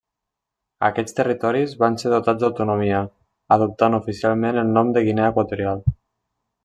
Aquests territoris van ser dotats d'autonomia, adoptant oficialment el nom de Guinea Equatorial.